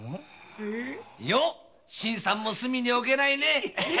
よォ新さんも隅におけないね。